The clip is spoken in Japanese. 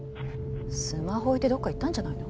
スマホ置いてどっか行ったんじゃないの？